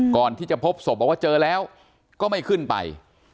ก่อนที่จะพบศพบอกว่าเจอแล้วก็ไม่ขึ้นไป